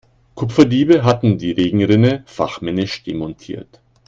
Kupferdiebe hatten die Regenrinne fachmännisch demontiert.